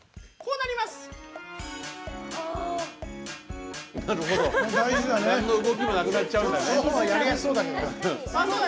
なんの動きもなくなっちゃうんだね。